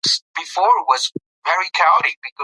شاعر له سپوږمۍ څخه د اشنا پوښتنه کوي.